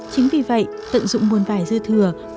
chính vì vậy tận dụng nguồn vải dư thừa vừa giúp giảm áp lực cho người